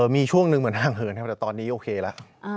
มีช่วงหนึ่งเหมือนห่างเหินครับแต่ตอนนี้โอเคแล้ว